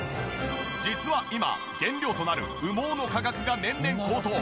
実は今原料となる羽毛の価格が年々高騰。